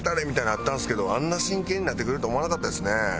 みたいなのあったんですけどあんな真剣になってくれるとは思わなかったですね。